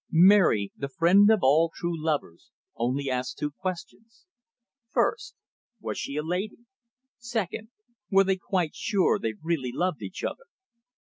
Mary, the friend of all true lovers, only asked two questions. First, Was she a lady? Second, Were they quite sure they really loved each other?